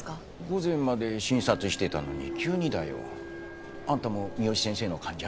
午前まで診察してたのに急にだよ。あんたも三好先生の患者？